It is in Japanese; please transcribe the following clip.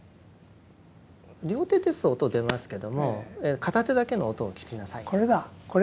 両手ですと音出ますけども片手だけの音を聞きなさいってことです。